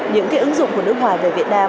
những ứng dụng của nước ngoài về việt nam